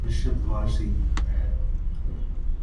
Arshad Warsi